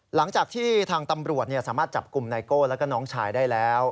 หลังจากที่ทางตำรวจสามารถจับกลุ่มไนโก้แล้วก็น้องชายได้แล้ว